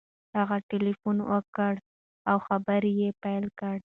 هغه ټلیفون اوکې کړ او خبرې یې پیل کړې.